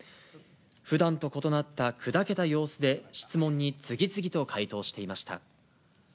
ふだんと異なったくだけた様子で、質問に次々と回答していました。